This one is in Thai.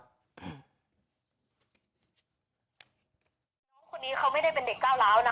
คนนี้เขาไม่ได้เป็นเด็กก้าวร้าวนะคะ